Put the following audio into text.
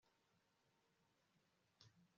ndakwanze ntijya ivamo ndagukunze